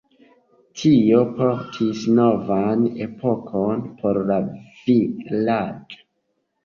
Tio portis novan epokon por la vilaĝo.